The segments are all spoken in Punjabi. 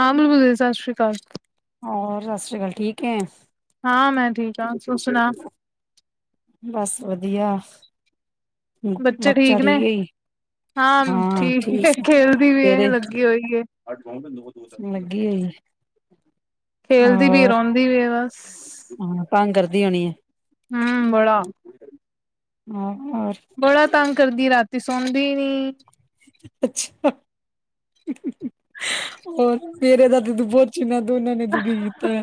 ਹਾਂ ਬਿਲਕੁਲ ਸਤਿ ਸ਼੍ਰੀ ਅਕਾਲ ਹੋਰ ਸਤਿ ਸ਼੍ਰੀ ਅਕਾਲ ਠੀਕ ਐ ਹਾਂ ਮੈਂ ਠੀਕ [unintelligible] ਸੁਣਾ ਬਸ ਵਧੀਆ ਬੱਚੇ ਬੱਚਾ ਨੇ ਠੀਕ ਏ ਜੀ ਹਾਂ ਠੀਕ ਖੇਲਦੀ ਵੀ ਤੇਰੇ ਲੱਗੀ ਹੋਈ ਏ ਲੱਗੀ ਹੋਈ। ਖੇਲਦੀ ਵੀ ਔਰ ਰੋਂਦੀ ਵੀ ਏ ਬਸ। ਹਾਂ ਤੰਗ ਕਰਦੀ ਹੋਣੀ ਹੈ ਹੂੰ ਬੜਾ ਹਾਂ ਹੋਰ। ਬੜਾ ਤੰਗ ਕਰਦੀ ਰਾਤੀ ਸੋਂਦੀ ਨੀ। ਅੱਛਾ ਹੋਰ [unintelligible] ਤੂੰ ਬਹੁਤ। ਇਹਨਾਂ ਦੋਨਾਂ ਨੇ ਦੁਖੀ ਕੀਤਾ।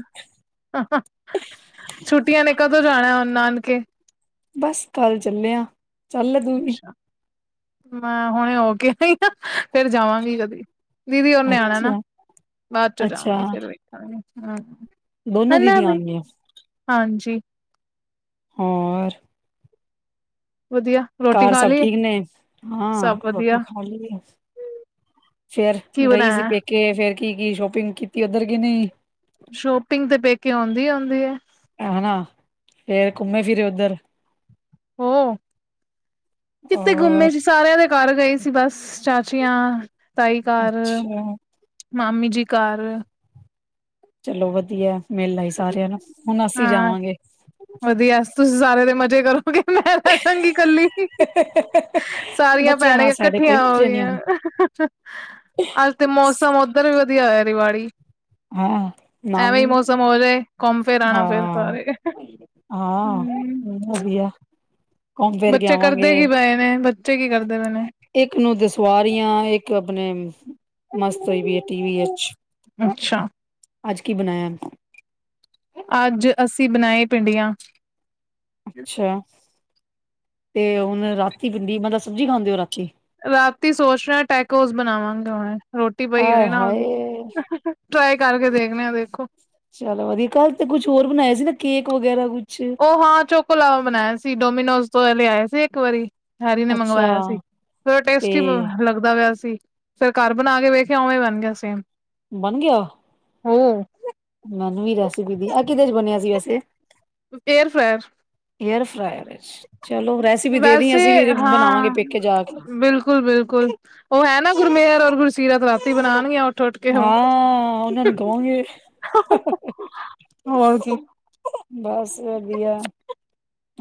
ਛੁੱਟੀਆਂ ਨੇ ਕਦੋਂ ਜਾਣਾ ਹੁਣ ਨਾਨਕੇ। ਬਸ ਕੱਲ ਚੱਲੇ ਆ। ਅੱਛਾ ਮੈਂ ਹੁਣੇ ਹੋ ਕੇ ਆਈ ਫਿਰ ਜਾਵਾਂਗੀ ਕਦੀ। ਦੀਦੀ ਨੇ ਆਉਣਾ ਨਾ ਅੱਛਾ ਬਾਅਦ ਚੋਂ ਅੱਛਾ ਜਾਵਾਂਗੇ, ਫਿਰ ਵੇਖਗੇ। ਦੋਨੋ ਹਨਾ ਦੀਦੀ ਵੀ ਆਉਣਗੀਆਂ ਹਾਂਜੀ। ਹੋਰ। ਵਧੀਆ। ਰੋਟੀ ਘਰ ਖਾ ਸਭ ਲਈਏ ਠੀਕ ਨੇ ਹਾਂ ਸਭ ਰੋਟੀ ਵਧੀਆ ਖਾ ਲਈ ਆ। ਫੇਰ ਕੀ ਗਈ ਸੀ, ਬਣਾਇਆ ਪੇਕੇ ਫੇਰ ਕੀ-ਕੀ ਸ਼ੋਪਿੰਗ ਕੀਤੀ ਉੱਧਰ ਕਿ ਨਹੀਂ। ਸ਼ੋਪਿੰਗ ਤੇ ਪੇਕੇ ਆਉਂਦੀ-ਆਉਂਦੀ ਹੈ। ਹੈ, ਫੇਰ ਘੁੰਮੇ ਫਿਰੇ ਉੱਧਰ। ਹੋ ਕਿਥੇ ਔਰ ਗੁੰਮੇ ਸੀ। ਸਾਰਿਆਂ ਦੇ ਘਰ ਗਈ ਸੀ, ਬਸ ਚਾਚੀਆਂ ਤਾਈ ਘਰ। ਅੱਛਾ ਮਾਮੀ ਜੀ ਘਰ। ਚਲੋ, ਵਧੀਆ ਮੇਲ ਆਈ ਸਾਰਿਆਂ ਨੂੰ ਹੁਣ ਅਸੀਂ ਹਾਂ ਜਾਵਾਂਗੇ। ਵਧੀਆ, ਤੁਸੀਂ ਸਾਰੇ ਦੇ ਮਜ਼ੇ ਕਰੋਗੇ ਮੈਂ ਤਾਂ ਚੰਗੀ ਕੱਲੀ। ਸਾਰੀਆਂ ਬੱਚਿਆਂ ਭੈਣਾਂ ਨਾਲ ਸਾਡੇ ਕੋਈ ਇਕੱਠੀਆਂ ਹੋ ਮਜ਼ੇ ਨੀ ਆਣੇ ਗਈਆਂ। ਅੱਜ ਤੇ ਮੌਸਮ ਉੱਧਰ ਵੀ ਵਧੀਆ ਹੋਇਆ ਰਿਵਾੜੀ। ਹਾਂ, ਨਾਮ ਨੀ। ਸਮੋ ਹੋ ਜਾਏ, ਘੁੰਮ ਫੇਰ ਆਉਣਾ ਫੇਰ ਹਾਂ ਸਾਰੇ ਹਾਂ ਹੂੰ। ਵਧੀਆ। ਘੁੰਮ ਫਿਰ ਕੇ ਬੱਚੇ ਕਰਦੇ ਆਵਾਂਗੇ ਕੀ ਪਏ, ਇਹਨੇ ਬੱਚੇ ਕੀ ਕਰਦੇ ਪਏ ਨੇ। ਇੱਕ ਨੂੰ ਦੁਸਵਾਰੀਆ, ਇੱਕ ਆਪਣੇ ਮਸਤ ਹੋਈ ਵੀ ਹੈ ਟੀ ਵੀ ਵਿਚ। ਅੱਛਾ ਅੱਜ ਕੀ ਬਣਾਇਆ? ਅੱਜ ਅਸੀਂ ਬਣਾਏ ਭਿੰਡੀਆਂ। ਅੱਛਾ ਤੇ ਹੁਣ ਰਾਤੀ ਭਿੰਡੀ ਮਤਲਬ ਸਬਜ਼ੀ ਖਾਂਦੇ ਹੋ ਰਾਤੀ। ਰਾਤੀ ਸੋਚ ਰਿਹਾ ਟੈਕੋਸ ਬਣਾਵਾਂਗੇ, ਹਣ ਰੋਟੀ ਪਈ ਆਏ ਹੋਵੇ ਨਾ ਉਹਦੀ। ਹਾਏ ਟਰਾਈ ਕਰਕੇ ਦੇਖਣੇ ਆ ਦੇਖੋ। ਚਲੋ ਵਧੀਆ, ਕੱਲ੍ਹ ਤੇ ਕੁਛ ਹੋਰ ਬਣਾਇਆ ਸੀ, ਨਾ ਕੇਕ ਵਗੈਰਾ ਕੁਛ। ਉਹ ਹਾਂ ਚੋਕੋ ਲਾਵਾ ਬਣਾਇਆ ਸੀ, ਡੋਮੀਨੋਜ ਤੋਂ ਲਿਆਏ ਸੀ, ਇੱਕ ਵਾਰੀ। ਹੈਰੀ ਨੇ ਅੱਛਾ ਮੰਗਵਾਇਆ ਸੀ, ਥੋੜਾ ਤੇ ਟੇਸਟੀ ਲੱਗਦਾ ਪਾਇਆ ਸੀ। ਫੇਰ ਘਰ ਬਣਾ ਕੇ ਵੇਖਿਆ ਉਵੇਂ ਬਣ ਗਿਆ ਸੇਮ। ਬਣ ਗਿਆ। ਹੋਰ। ਮੈਨੂੰ ਵੀ ਰੈਸਪੀ ਦੀ ਆਹ ਕਿਦੇ ਚ ਬਣਿਆ ਸੀ ਵੈਸੇ। ਏਅਰ ਫਰਾਇਰ ਏਅਰ ਫਰਾਰ ਚਲੋ, ਰੈਸਿਪੀ ਦੇ ਵੈਸੇ ਅਸੀਂ ਵੀ ਬਣਾਵਾਂਗੇ, ਪੇਕੇ ਜਾ ਕੇ। ਬਿਲਕੁਲ-ਬਿਲਕੁਲ, ਉਹ ਹੈ ਨਾ ਗੁਰਮੇਰ ਔਰ ਗੁਰਸੀਰਤ ਰਾਤੀ ਬਣਾਉਣਗੀਆਂ। ਟੋਟ ਕੇ ਹੋ। ਹਾਂ ਉਹਨਾਂ ਨੂੰ ਕਵਾਂਗੇ ਹੋਰ ਕੀ, ਬਸ ਵਧੀਆ।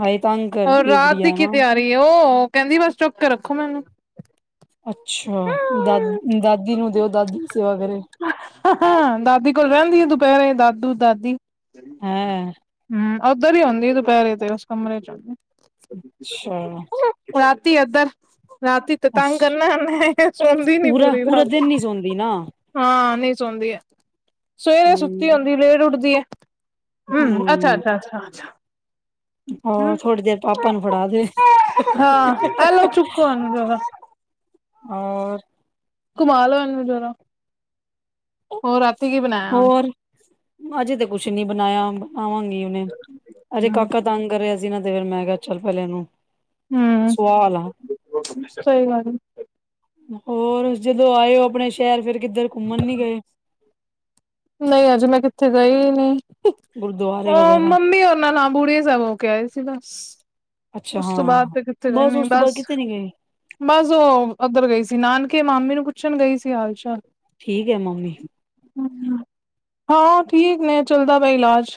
ਆਏ ਤਕ ਔਰ ਰਾਤ ਦੀ ਕੀ ਤਿਆਰੀ ਉਹ ਕਹਿੰਦੀ ਬਸ ਚੁੱਕ ਕੇ ਰੱਖੋ, ਮੈਨੂੰ। ਅੱਛਾ ਦਾ ਦਾਦੀ ਨੂੰ ਦਿਓ ਦਾਦੀ ਦੀ ਸੇਵਾ ਕਰੇ। ਹਾਂ ਦਾਦੀ ਕੋਲ ਰਹਿੰਦੀ ਆ, ਦੁਪਹਿਰੇ ਦਾਦੂ ਦਾਦੀ। ਹੈਂ ਹੂੰ, ਓਧਰ ਹੀ ਹੁੰਦੀ ਏ ਦੁਪਹਿਰੇ ਤੇ ਉਸ ਕਮਰੇ ਚ। ਅੱਛਾ, ਰਾਤੀ ਏਧਰ ਰਾਤੀ ਤੇ ਤੰਗ ਅੱਛਾ ਕਰਨਾ ੳਹਨੇ। ਚਲਦੀ ਨੀ ਪੂਰਾ ਪੂਰੀ ਪੂਰਾ ਰਾਤ। ਦਿਨ ਨੀ ਸੌਂਦੀ ਨਾ। ਹਾਂ ਨਹੀਂ ਸੌਦੀ ਏ ਸਵੇਰੇ ਸੁੱਤੀ ਹੂੰ ਹੁੰਦੀ ਐ, ਲੇਟ ਉੱਠਦੀ ਏ। ਹੂੰ, ਅੱਛਾ, ਅੱਛਾ, ਅੱਛਾ, ਅੱਛਾ। ਹਾਂ, ਹਮ ਥੋੜੀ ਦੇਰ ਪਾਪਾ ਨੂੰ ਫੜਾ ਦੇ। ਹਾਂ ਇਹ ਲਓ ਚੁੱਕੋ ਇਹਨੂੰ ਜਰਾ ਹੋਰ, ਘੁਮਾ ਲਿਆਓ ਇਹਨੂੰ ਜਰਾ, ਹੋਰ ਰਾਤੀ ਕੀ ਬਣਾਇਆ ਹੁਣ? ਹੋਰ ਅਜੇ ਤੇ ਕੁਛ ਨੀ ਬਣਾਇਆ ਬਣਾਵਾਂਗੀ ਹੁਣੇ ਅਜੇ ਕਾਕਾ ਤੰਗ ਕਰ ਰਿਹਾ ਸੀ ਨਾ ਤੇ ਫਿਰ ਮੈਂ ਕਿਹਾ ਚੱਲ ਪਹਿਲੇ ਇਹਨੂੰ ਹਮ ਸੋਆਲਾ। ਸਹੀ ਗੱਲ ਹੋਰ ਜਦੋਂ ਆਏ ਓ ਆਪਣੇ ਸ਼ਹਿਰ ਫਿਰ ਕਿੱਧਰ ਘੁੰਮਣ ਨੀ ਗਏ? ਨਹੀਂ ਅਜੇ ਮੈਂ ਕਿੱਥੇ ਗਈ ਨਹੀਂ ਗੁਰਦੁਆਰੇ ਉਹ ਵਗੈਰਾ। ਮੰਮੀ ਉਹਨਾਂ ਨਾਲ ਬੂੜੇ ਸਾਹਿਬ ਹੋ ਕੇ ਆਏ ਸੀ ਬਸ ਅੱਛਾ ਉਸ ਤੋਂ ਬਾਅਦ ਹਾਂ ਤੇ ਕਿੱਥੇ ਗਏ ਨੀ ਉਸ ਤੋਂ ਬਾਅਦ ਬਸ ਕਿਤੇ ਨੀ ਗਏ ਬਸ ਉਹ ਉੱਧਰ ਗਈ ਸੀ ਨਾਨਕੇ ਮਾਮੀ ਨੂੰ ਪੁੱਛਣ ਗਈ ਸੀ ਹਾਲ-ਚਾਲ। ਠੀਕ ਏ ਮਾਮੀ। ਹਾਂ ਠੀਕ ਨੇ ਚੱਲਦਾ ਪਿਆ ਇਲਾਜ।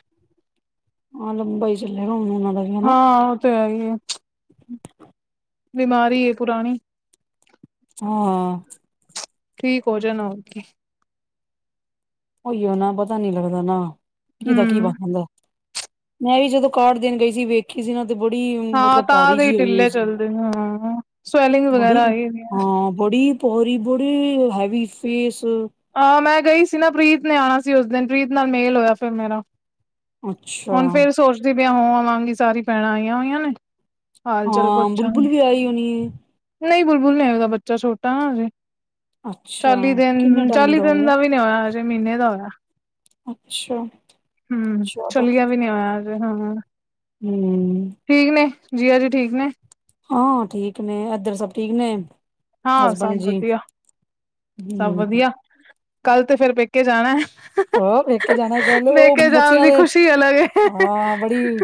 ਹਾਂ ਲੰਬਾ ਹੀ ਚੱਲੇਗਾ ਹੁਣ ਉਹਨਾਂ ਦਾ ਵੀ ਹਨਾ ਹਾਂ ਉਹ ਤੇ ਹੈਈ ਏ। ਬਿਮਾਰੀ ਏ ਪੁਰਾਣੀ। ਹਾਂ, ਠੀਕ ਹੋ ਜਾਣਾ ਹੋਰ ਕੀ, ਉਹੀਓ ਨਾ ਪਤਾ ਨੀ ਲੱਗਦਾ ਨਾ ਕੀ ਦਾ ਕੀ ਹਮ ਬਣਦਾ। ਮੈਂ ਵੀ ਜਦੋਂ ਕਾਰਡ ਦੇਣ ਗਈ ਸੀ ਵੇਖ ਕੀ ਸੀ ਨਾ ਤੇ ਬੜੀ ਹਾਂ ਮਤਲਬ ਤਾਂ ਭਾਰੀ ਦੇ ਜੀ ਹੋਈ-ਹੋਈ ਢਿੱਲੇ ਸੀ ਚੱਲਦੇ ਹਾਂ ਸਵੈਲਿੰਗ ਬੜੀ ਵਗੈਰਾ ਆਈ ਹੋਈ ਆ। ਹਾਂ ਬੜੀ ਭਾਰੀ ਬੜੀ ਹੈਵੀ ਫੇਸ ਹਾਂ, ਮੈਂ ਗਈ ਸੀ ਨਾ ਪ੍ਰੀਤ ਨੇ ਆਣਾ ਸੀ ਉਸ ਦਿਨ ਪ੍ਰੀਤ ਨਾਲ ਮੇਲ ਹੋਇਆ ਫਿਰ ਮੇਰਾ। ਅੱਛਾ ਹੁਣ ਫੇਰ ਸੋਚਦੀ ਪਈ ਆ ਹੋ ਆਵਾਂਗੀ ਸਾਰੀ ਭੈਣਾਂ ਆਈਆਂ ਹੋਈਆਂ ਨੇ। ਹਾਲ ਚਾਲ ਹਾਂ ਬੁਲਬੁਲ ਪੁੱਛਾਂਗੇ ਵੀ ਆਈ ਹੋਣੀ ਏ। ਨਈ ਬੁਲਬੁਲ ਨੀ ਓਦਾਂ ਬੱਚਾ ਛੋਟਾ ਨਾ ਅਜੇ। ਅੱਛਾ ਕਿੰਨੇ ਟਾਈਮ? ਚਾਲੀ ਹੋ ਦਿਨ ਗਿਆ ਦਾ ਵੀ ਨੀ ਹੋਇਆ ਹਜੇ ਮਹੀਨੇ ਦਾ ਹੋਇਆ ਅੱਛਾ ਹੂੰ ਚਲੋ ਚੱਲ [unintelligible] ਵੀ ਨੀ ਹੋਇਆ ਹਜੇ ਹਾਂ। ਹੂੰ। ਠੀਕ ਨੇ ਜੀਆ ਜੀ ਠੀਕ ਨੇ? ਹਾਂ ਠੀਕ ਨੇ ਏਧਰ ਸਭ ਠੀਕ ਨੇ? ਹਾਂ, ਸਭ ਹਸਬੈਂਡ ਜੀ ਵਧੀਆ ਸਭ ਹੂੰ ਵਧੀਆ ਕੱਲ ਤੇ ਫੇਰ ਪੇਕੇ ਜਾਣਾ। ਹੋਰ, ਪੇਕੇ ਜਾਣਾ ਕੱਲ ਉਹ ਪੇਕੇ ਜਾਣ ਬੱਚਿਆਂ ਦੀ ਦੇ ਖੁਸ਼ੀ ਅਲੱਗ ਏ ਹਾਂ ਬੜੀ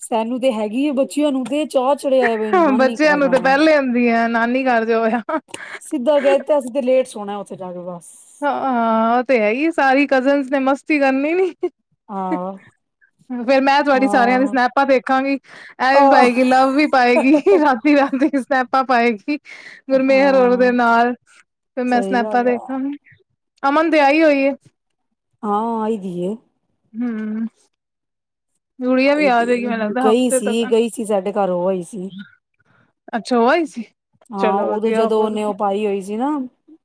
ਸਾਨੂੰ ਤੇ ਹੈਗੀ ਏ ਬੱਚਿਆਂ ਨੂੰ ਤੇ ਚਾਹ ਚੜਿਆ ਹੋਇਆ ਨਾਨੀ ਬੱਚਿਆਂ ਘਰ ਨੂੰ ਤੇ ਜਾਣਾ ਪਹਿਲੇ ਹੁੰਦੀ ਆ ਨਾਨੀ ਘਰ ਜੋ ਐ। ਸਿੱਧਾ ਕਹਿ ਤਾ ਅਸੀਂ ਤਾਂ ਲੇਟ ਸੌਣਾ ਉੱਥੇ ਜਾ ਕੇ ਬਸ। ਹਾਂ ਉਹ ਤੇ ਹੈਈ ਸਾਰੀ ਕਜਨ ਨੇ ਮਸਤੀ ਕਰਨੀ ਨੀ। ਹਾਂ, ਫੇਰ ਮੈਂ ਤੁਹਾਡੀ ਹਾਂ ਸਾਰਿਆਂ ਦੀ ਸਨੈਪਾਂ ਦੇਖਾਂਗੀ ਇਹ ਵੀ ਆਹ ਪਾਏਗੀ ਲਵ ਵੀ ਪਾਏਗੀ। ਸਨੈਪਾਂ ਪਾਏਗੀ। ਗੁਰਮੇਹਰ ਹੋਰ ਦੇ ਹਾਂ ਨਾਲ ਫਿਰ ਮੈਂ ਸਹੀ ਸਨੈਪਾ ਗੱਲ ਆ ਦੇਖਾਂਗੀ। ਅਮਨ ਤੇ ਆਈ ਹੋਈ ਏ। ਹਾਂ ਆਈ ਦੀ ਏ। ਹੂੰ, ਗੁੜੀਆ ਵੀ ਆਈ ਦੀ ਏ ਆਜੇਗੀ ਮੈਨੂੰ ਲੱਗਦਾ ਗਈ ਹਫ਼ਤੇ ਸੀ ਤੱਕ। ਗਈ ਸੀ ਸਾਡੇ ਘਰ ਹੋ ਆਈ ਸੀ ਅੱਛਾ ਓ ਆਈ ਸੀ। ਹਾਂ ਚਲੋ ਓਦੋਂ ਵਧੀਆ ਜਦੋਂ ਹੋਰ ਓਨੇ ਓ ਕੀ ਪਾਈ ਹੋਈ ਸੀ ਨਾ।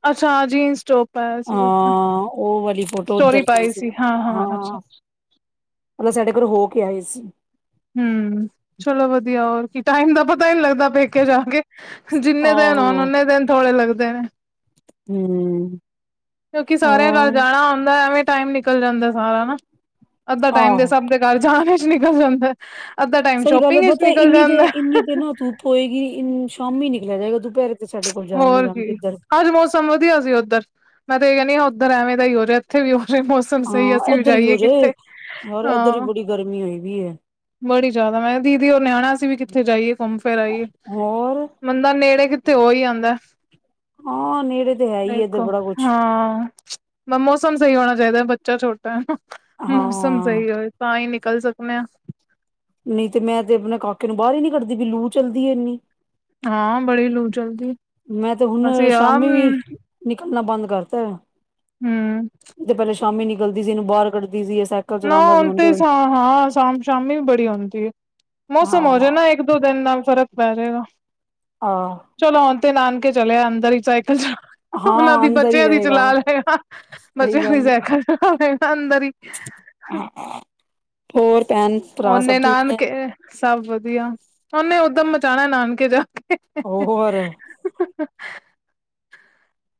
ਅੱਛਾ ਹਾਂ ਜੀਨਸ ਟੋਪ ਪਾਇਆ ਸੀ ਉਸਨੇ ਹਾਂ ਓ ਵਾਲੀ ਫੋਟੋ ਸਟੋਰੀ ਉਧਰ ਦੀ ਪਾਈ ਸੀ ਹਾਂ-ਹਾਂ ਅੱਛਾ ਹਾਂ। [unintelligible] ਸਾਡੇ ਕੋਲ ਹੋ ਕੇ ਆਏ ਸੀ। ਹੂੰ ਚਲੋ ਵਧੀਆ ਹੋਰ ਕੀ ਟਾਈਮ ਦਾ ਪਤਾ ਈ ਨੀ ਲੱਗਦਾ ਪੈਕੇ ਜਾ ਕੇ। ਜਿੰਨੇ ਦਿਨ ਹੋਣ ਆਹੋ ਓਨੇ ਦਿਨ ਥੋੜ੍ਹੇ ਲੱਗਦੇ ਨੇ। ਹੂੰ ਕਿਉਂਕੀ ਸਾਰਿਆਂ ਘਰ ਜਾਣਾ ਹੁੰਦਾ ਐਵੇਂ ਈ ਟਾਈਮ ਨਿਕਲ ਜਾਂਦੈ ਸਾਰਾ ਅੱਧਾ ਟਾਈਮ ਦੇ ਆਹੋ ਸਭ ਦੇ ਘਰ ਜਾਣ ਵਿਚ ਨਿਕਲ ਜਾਂਦਾ ਅੱਧਾ ਟਾਈਮ ਸਹੀ ਗੱਲ ਹੈ ਸ਼ੋਪਿੰਗ ਵਿਚ ਪਤਾ ਨਿਕਲ ਇੰਨੀ ਤੇ ਜਾਂਦਾ। [inaudible] ਇੰਨੀ ਤੇ ਨਾ ਧੁੱਪ ਹੋਏਗੀ ਸ਼ਾਮੀ ਨਿਕਲਿਆ ਜਾਏਗਾ ਦੁਪਿਹਰੇ ਤੇ ਸਾਡੇ ਕੋਲ ਜਾਇਆ ਨੀ ਹੋਰ ਜਾਣ ਕੀ ਕਿੱਧਰ ਅੱਜ ਮੌਸਮ ਵਧੀਆ ਸੀ ਉਧਰ ਮੈਂ ਤਾਂ ਏ ਕਹਿਨੀ ਆ ਉਧਰ ਐਵੇਂ ਦਾ ਈ ਹੋਰੇ ਐਥੇ ਵੀ ਹੋ ਇਥੇ ਵੀ ਉਹੀ ਜਿਹਾ ਮੌਸਮ ਸਮ ਸਹੀ ਹਾਂ ਅਸੀਂ ਵੀ ਇੱਧਰ ਹੋ ਜਾਈਏ ਜਾਏ ਕਿੱਥੇ ਯਾਰ ਇੱਧਰ ਵੀ ਹਾਂ। ਬੜੀ ਗਰਮੀ ਹੋਈ ਵੀ ਹੈ ਬੜੀ ਜਾਦਾ ਮੈਂ ਕਾ ਦੀਦੀ ਓਰ ਨਿਆਣਾ ਸੀ ਵੀ ਕਿੱਥੇ ਜਾਈਏ ਘੁੰਮ ਫਿਰ ਆਈਏ ਹੋਰ ਬੰਦਾ ਨੇੜੇ ਕਿ ਤੇ ਹੋਈ ਆਂਦਾ ਹਾਂ ਨੇੜੇ ਤੇ ਹੈ ਹੀ ਇੱਧਰ ਦੇਖੋ ਬੜਾ ਕੁਛ ਹਾਂ। [inaudible] ਬ ਮੌਸਮ ਸਹੀ ਹੋਣਾ ਚਾਈਦਾ ਬੱਚਾ ਛੋਟਾ ਐ ਮੌਸਮ ਹਾਂ ਸਹੀ ਹੋਏ। ਤਾਂ ਈ ਨਿਕਲ ਸਕਨੇ ਆ। ਨਹੀਂ ਤੇ ਮੈਂ ਤੇ ਆਪਣੇ ਕਾਕੇ ਨੂੰ ਬਾਰ ਈ ਨੀ ਕੱਢਦੀ ਵੀ ਲੂ ਚੱਲਦੀ ਐ ਏਨੀ। ਹਾਂ ਬੜੀ ਲੂ ਚਲਦੀ। ਮੈਂ ਤੇ ਹੁਣ ਅਸੀਂ ਆਮ ਸ਼ਾਮੀ ਵੀ ਨਿਕਲਣਾ ਬੰਦ ਕਰਤਾ ਐ। ਹੂੰ [inaudible] ਤੇ ਪਹਿਲੇ ਸ਼ਾਮੀ ਨਿਕਲਦੀ ਸੀ ਏਨੂੰ ਬਾਰ ਕੱਢਦੀ ਸੀ ਏ ਸੈ ਨਾ ਹੁਣ ਤੇ ਸ਼ਾ ਹਾਂ ਸ਼ਾਮ ਸ਼ਾਮੀ ਬੜੀ ਹੁੰਦੀ ਏ ਮੌਸਮ ਹੋਜੇ ਹਾਂ ਨਾ ਇਕ ਦੋ ਦਿਨ ਨਾਲ ਫਰਕ ਪੈ ਜੇਗਾ। ਹਾਂ। ਚਲੋ ਹੁਣ ਤੇ ਨਾਨਕੇ ਚਲਿਆ ਅੰਦਰ ਈ ਸਾਈਕਲ ਚਲਾ। [inaudible] ਓਨਾਂ ਹਾਂ ਦੀ ਅੰਦਰ ਹੀ ਬੱਚਿਆਂ ਦੀ ਰਹੇਗਾ ਚਲਾ ਲੈ [inaudible] ਗਾ ਬੱਚਿਆਂ ਸਹੀ ਦੀ ਗੱਲ ਸ਼ੈਕਲ ਚਲਾ ਲੇਗਾ ਅੰਦਰ ਈ। ਹੋਰ ਭੈਣ ਭਰਾ ਸਭ ਠੀਕ ਨੇ। ਇਹ ਸਭ ਵਧੀਆ ਉਹਨੇ ਉਦਮ ਮਚਾਂਣਾ ਨਾਨਕੇ ਜਾ ਕੇ ਉਹ ਹੋਰ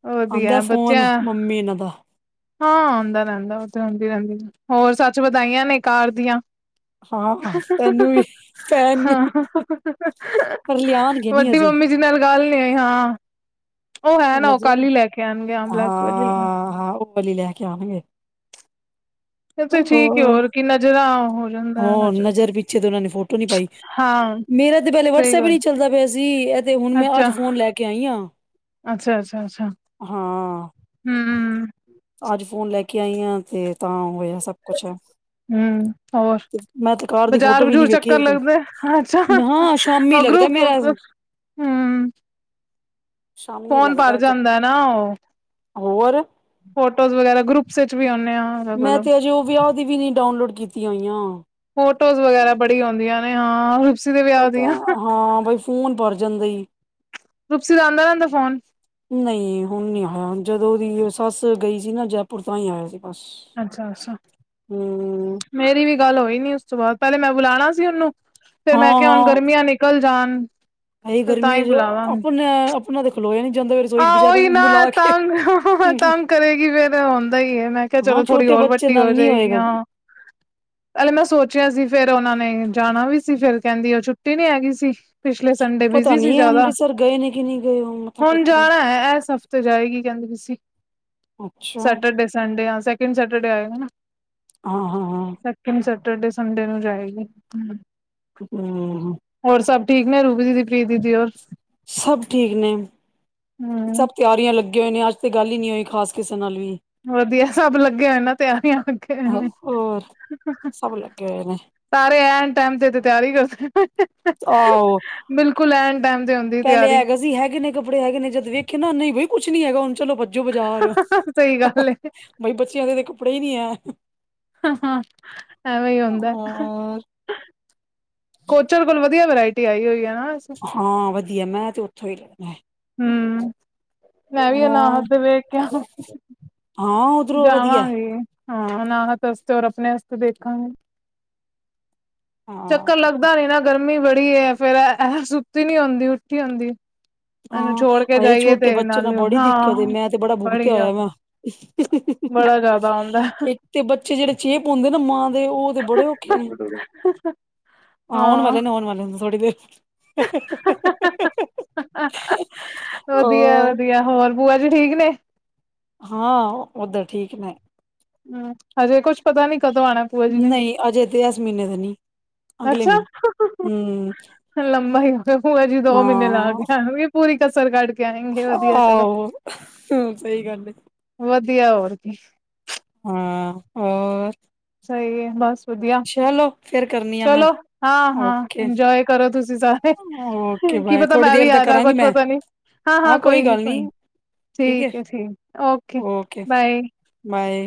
[inaudible] ਵਧੀਆ ਬੱਚਿਆਂ ਮੇਨ ਦਾ ਹਾਂ ਆਉਂਦਾ ਰਹਿੰਦਾ ਉਹ ਤਾਂ ਆਉਦੀ ਰਹਿੰਦੀ ਹੋਰ ਸੱਚ ਵਧਾਈਆਂ ਨੇ ਕਾਰ ਦੀਆਂ। ਹਾਂ ਤੈਨੂੰ ਵੀ ਭੈਣ ਨੂੰ ਹਾਂ ਪਰ ਲਿਆਂਣਗੇ ਨੀ ਅਜੇ। ਜੀਜੇ ਨਾਲ ਗੱਲ ਨੀ ਹੋਈ ਹਾਂ ਉਹ ਹੈ ਪਰ ਨਾ ਉਹ ਅਜੇ ਕੱਲ ਈ ਲੈ ਕੇ ਆਂਣਗੇ ਆ ਬਲੈਕ ਵਲੀ ਆਂ। ਵਲੀ ਲੈ ਕੇ ਆਉਣਗੇ। ਤੇ ਠੀਕ ਹੈ ਹੋਰ ਕਿ ਨਜ਼ਰਾ ਹੋ ਜਾਂਦਾ -ਹੋਰ ਨਜ਼ਰ ਪਿੱਛੇ ਤੇ ਉਹਨਾਂ ਨੇ ਫੋਟੋ ਨਹੀਂ ਪਾਈ। ਹਾਂ ਮੇਰਾ ਤੇ ਪਹਿਲੇ ਸਹੀ ਵਟਸਐਪ ਈ ਗੱਲ ਨੀ ਚੱਲਦਾ ਪਿਆ ਸੀ ਏ ਤੇ ਹੁਣ ਮੈਂ ਅੱਜ ਫੋਨ ਲੈ ਕੇ ਆਈ ਆਂ। ਅੱਛਾ-ਅੱਛਾ-ਅੱਛਾ ਹੂੰ ਹੂੰ ਅੱਜ ਫੋਨ ਲੈ ਕੇ ਆਈ ਆ ਤੇ ਤਾਂ ਹੋਇਆ ਸਭ ਕੁੱਛ ਹਮ ਹੋਰ ਤੇ ਮੈਂ ਤੇ ਕਾਰ ਦੀ ਬਾਜ਼ਾਰ ਫੋਟੋ ਵੀ ਨੀ ਬਜੂਰ ਵੇਖੀ ਚੱਕਰ ਹਜੇ ਲੱਗਦੇ ਅੱਛਾ ਤਕ [unintelligible] ਸ਼ਾਮੀ ਉਹ ਲੱਗਦਾ ਗਰੁੱਪ ਮੇਰਾ ਹਮ ਸ਼ਾਮੀ ਫੋਨ ਭਰ ਲੱਗਦਾ ਚ ਜਾਂਦਾ ਨਾ ਓ ਹੋਰ ਫੋਟੋਜ਼ ਵਗੈਰਾ ਗਰੁੱਪਸ ਵਿਚ ਵੀ ਆਨੇ ਆ। ਅਲੱਗ ਮੈਂ ਅਲੱਗ ਤੇ ਅਜੇ ਓ ਵਿਆਹ ਦੀ ਵੀ ਨੀ ਡਾਊਨਲੋਡ ਕੀਤੀਆਂ ਹੋਈਆਂ। ਫੋਟੋਜ਼ ਵਗੈਰਾ ਬੜੀ ਹੁੰਦੀਆਂ ਨੇ ਹਾਂ। ਰੁਪਸੀ ਦੇ ਓ ਵਿਆਹ ਤਾਂ ਦੀਆਂ ਹਾਂ ਬਈ ਫੋਨ ਭਰ ਜਾਂਦਾ ਈ। [inaudible] ਰੁਪਸੀ ਦਾ ਆਂਦਾ ਰਹਿੰਦਾ ਫੋਨ ਨਹੀਂ ਹੁਣ ਨੀ ਆਇਆ ਜਦੋਂ ਦੀ ਓ ਸੱਸ ਗਈ ਸੀ ਨਾ ਜੈਪੁਰ ਤਾਂ ਈ ਆਇਆ ਸੀ। ਓਸ ਅੱਛਾ ਅੱਛਾ ਹੂੰ ਮੇਰੀ ਵੀ ਗੱਲ ਹੋਈ ਨੀ ਉਸ ਤੋਂ ਬਾਅਦ ਪਹਿਲੇ ਮੈਂ ਬੁਲਾਉਣਾ ਸੀ ਉਹਨੂੰ ਫੇਰ ਹਾਂ ਮੈਂ ਕਿਹਾ ਹੁਣ ਹਾਂ ਗਰਮੀਆਂ ਨੇ। ਕਲ ਜਾਣ ਇਹ ਤੇ ਤਾਂ ਹੀ ਗਰਮੀ ਚ ਬੁਲਾਵਾਂ ਆਪਣੇ ਆਪਣਾ ਤੇ ਖਲੋਇਆ ਨੀ ਜਾਂਦਾ [inaudible] ਰਸੋਈ ਚ ਆਹ ਵਿਚਾਰੇ ਉਹੀ ਨੂੰ ਨਾ ਬੁਲਾ ਕੇ ਤਾਂ ਤੰ ਕਰੇਗੀ ਫਿਰ ਆਉਂਦਾ ਹੀ ਹੈ ਮੈਂ ਕਿਹਾ ਚਲੋ ਹਾਂ ਥੋੜ੍ਹੀ ਛੋਟੇ ਹੋਰ ਬੱਚੇ ਵੱਡੀ ਹੋ ਨਾਲ ਨੀ ਜਾਏਗੀ ਹੋਏਗਾ ਆਂ। ਪਹਿਲੇ ਮੈਂ ਸੋਚਿਆ ਸੀ ਫਿਰ ਉਹਨਾਂ ਨੇ ਜਾਣਾ ਵੀ ਸੀ ਫਿਰ ਕਹਿੰਦੀ ਛੁੱਟੀ ਨਹੀਂ ਹੈਗੀ ਸੀ। ਪਿਛਲੇ ਸੰਡੇ ਪਤਾ ਬਿਜੀ ਸੀ ਨੀ ਜ਼ਿਆਦਾ ਅੰਮ੍ਰਿਤਸਰ ਗਏ ਨੇ ਕਿ ਨਹੀਂ ਗਏ ਉਹ ਮੱਥਾ ਹੁਣ ਟੇਕਣ ਜਾਣਾ ਆ ਏਸ ਹ ਤੇ ਜਾਏਗੀ ਕਹਿੰਦੇ ਤੁਸੀ ਅੱਛਾ ਸੈਟਰਡੇ ਸੰਡੇ ਸੈਕਿੰਡ ਸੈਟਰਡੇ ਆਏਗਾ ਨਾ। ਹਾਂ- ਹਾਂ -ਹਾਂ ਸੈਕਿੰਡ ਸੈਟਰਡੇ ਸੰਡੇ ਨੂੰ ਜਾਏਗੀ। ਹੂੰ ਹੂੰ। ਹੋਰ ਸਭ ਠੀਕ ਨੇ ਰੂਬੀ ਦੀਦੀ ਪ੍ਰੀ ਦੀਦੀ ਹੋਰ। ਸਭ ਠੀਕ ਨੇ ਹੂੰ ਸਭ। ਤਿਆਰੀਆਂ ਲੱਗੇ ਹੋਏ ਨੇ ਅੱਜ ਤੇ ਗੱਲ ਹੀ ਨਹੀਂ ਹੋਈ ਖਾਸ ਕਿਸੇ ਨਾਲ ਵੀ। ਵਧੀਆ ਸਭ ਲੱਗੇ ਹੋਏ ਨਾ ਤਿਆਰੀਆਂ ਲੱਗੇ ਹੋਏ ਨੇ। ਹੋਰ ਸਭ ਲੱਗੇ ਹੋਏ ਨੇ ਸਾਰੇ ਐਨ ਟੈਮ ਤੇ ਤੇ ਤਿਆਰੀ ਕਰਦੇ ਆਹੋ ਬਿਲਕੁੱਲ ਐਨ ਨੂੰ ਟੈਮ ਤੇ ਹੁੰਦੀ ਤਿਆਰੀ। ਅਸੀਂ ਹੈਗੇ ਨੇ ਕੱਪੜੇ ਹੈਗੇ ਨੇ ਜਦ ਵੇਖਿਆ ਨਾ ਨਹੀਂ ਬਈ ਕੁਛ ਨੀ ਹੈਗਾ ਹੁਣ ਚਲੋ ਭੱਜੋ ਬਾਜ਼ਾਰ। ਸਹੀ ਗੱਲ ਏ ਬਈ ਬੱਚਿਆਂ ਦੇ ਤਾਂ ਕੱਪੜੇ ਹੀ ਨਹੀਂ ਐ। ਹਾਂ ਹਾਂ ਐਵੇਂ ਹੀ ਹੁੰਦਾ। ਹੋਰ ਕੋਚਰ ਕੋਲ ਵਧੀਆ ਵਰਾਇਟੀ ਆਈ ਹੋਈ ਏ ਨਾ। ਹਾਂ ਵਧੀਆ ਮੈਂ ਤੇ ਉੱਥੋਂ ਹੀ ਲੈਣਾ। ਹੂੰ ਮੈਂ ਵੀ ਅਨਾਹਦ ਹੋਰ ਦੇ ਵੇਖ ਕੇ ਆਵਾਂ। ਹਾਂ ਉਹ- ਜਾਵਾਂਗੀ। ਹਾਂ ਅਨਾਹਦ ਆਸਤੇ ਤੇ ਔਰ ਆਪਣੇ ਆਸਤੇ ਦੇਖਾਂਗੇ ਹਾਂ ਚੱਕਰ ਲੱਗ ਦਾਂ ਨੀ ਨਾ ਗਰਮੀ ਬੜੀ ਏ ਫੇਰ ਇਹ ਸੁੱਤੀ ਨੀ ਹੁੰਦੀ ਉੱਠੀ ਹੁੰਂਦੀ। ਹਾਂ ਆਏ ਛੋਟੇ ਬੱਚੇ ਨਾਲ ਨਾਲੇ ਬੜੀ ਹਾਂ ਦਿੱਕਤ ਏ ਮੈਂ ਤੇ ਬੜਾ ਬੜੀ ਭੁਗਤਿਆ ਹੋਇਆ ਜ਼ਿਆਦਾ ਨਾ। ਬੜਾ ਜ਼ਿਆਦਾ ਆਉਂਦਾ ਇੱਕ ਤੇ ਬੱਚੇ ਜਿਹੜੇ ਚੇਪ ਹੁੰਦੇ ਨਾ ਮਾਂ ਦੇ ਉਹ ਬੁੜੇ ਔਖੇ ਨੇ ਆ ਆਉਣ ਹਾਂ ਵਾਲੇ ਨੇ ਆਉਣ ਵਾਲੇ ਹੁੰ ਥੋੜੀ ਦੇਰ [unintelligible] ਹੋਰ ਵਧੀਆ-ਵਧੀਆ ਹੋਰ ਪੂਆ ਜੀ ਠੀਕ ਨੇ। ਹਾਂ ਉਧਕ ਠੀਕ ਨੇ। ਹੂੰ ਹੱਜੇ ਕੁੱਛ ਪਤਾ ਨੀ ਕਦੋਂ ਆਣਾ? ਨਹੀਂ ਅਜੇ ਤੇ ਇਸ ਮਹੀਨੇ ਤੇ ਨਹੀਂ ਅਗਲੇ ਅੱਛਾ ਮਹੀਨੇ ਹੂੰ। ਲੰਬਾ ਹੀ ਹੋ ਪੂਆ ਜੀ ਦੋ ਮਹੀਨੇ ਲਾ ਕੇ ਆਣਗੇ ਪੂਰੀ ਕਸਰ ਕੱਢ ਕੇ। ਆਏਂਗੇ ਵਧੀਆ ਚਲੋ ਆਹੋ ਸਹੀ ਗੱਲ ਏਂ- ਵਧੀਆ ਹੋਰ ਕੀ। ਹੂੰ ਹੋਰ? ਸਹੀ ਏ ਬਸ ਵਧੀਆ ਚਲੋ ਫੇਰ ਕਰਨੀ ਆ ਮੈਂ ਚਲੋ ਹਾਂ-ਹਾਂ ਓਕੇ ਇੰਜੋਏ ਕਰੋ ਤੁਸੀਂ ਸਾਰੇ। ਓਕੇ ਕੀ ਬਾਏ ਪਤਾ ਥੋੜੀ ਮੈਂ ਵੀ ਦੇਰ ਆ ਤੱਕ ਜਾ ਕਰਾਂਗੀ ਕੁੱਛ ਮੈਂ ਪਤਾ ਨੀ ਹਾਂ-ਹਾਂ ਕੋਈ ਨੀ-ਕੋਈ ਨੀ। ਠੀਕ ਹੈ ਠੀਕ ਓਕੇ ਬਾਏ। ਬਾਏ।